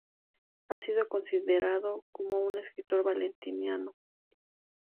Ha sido considerado como un escrito Valentiniano.